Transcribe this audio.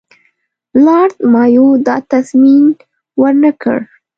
لارډ مایو دا تضمین ورنه کړ.